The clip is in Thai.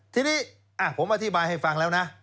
ทีนี้ผมอธิบายให้ฟังแล้วนะ